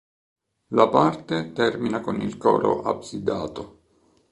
La parte termina con il coro absidato.